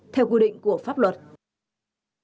theo quy định của bộ chính trị